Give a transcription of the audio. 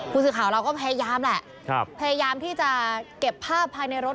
ผู้สื่อข่าวเราก็พยายามแหละพยายามที่จะเก็บภาพภายในรถ